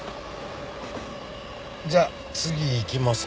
じゃあ次行きますか。